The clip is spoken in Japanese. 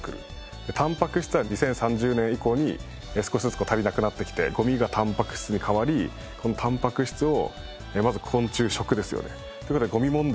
でタンパク質は２０３０年以降に少しずつ足りなくなってきてゴミがタンパク質に変わりこのタンパク質をまず昆虫食ですよね。という事でゴミ問題